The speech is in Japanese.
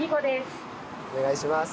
お願いします。